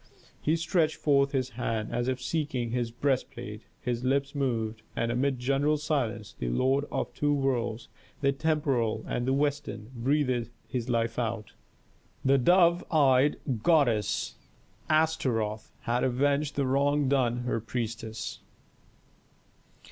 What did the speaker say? He stretched forth his hand as if seeking his breastplate, his lips moved, and amid general silence the lord of two worlds, the temporal and the western, breathed his life out. The dove eyed goddess Astaroth had avenged the wrong done her priestess.